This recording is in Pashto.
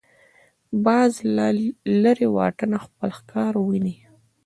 باز له لرې واټنه خپل ښکار ویني